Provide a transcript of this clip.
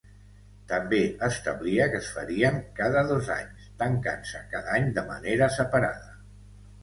També establia que es farien cada dos anys, tancant-se cada any de manera separada.